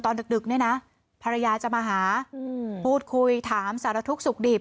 ดึกเนี่ยนะภรรยาจะมาหาพูดคุยถามสารทุกข์สุขดิบ